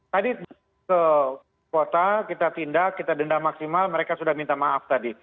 tadi ke kota kita tindak kita denda maksimal mereka sudah minta maaf tadi